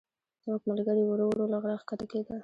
زموږ ملګري ورو ورو له غره ښکته کېدل.